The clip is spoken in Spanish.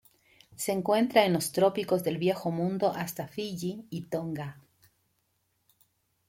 Se encuentra en los trópicos del Viejo Mundo hasta Fiyi y Tonga.